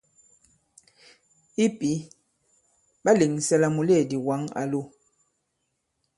I pǐ, ɓa lèŋsɛ la mùleèdì wǎŋ a lo.